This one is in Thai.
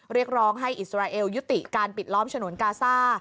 เรียกร้องให้อิสราเอลยุติการปิดล้อมฉนวนกาซ่า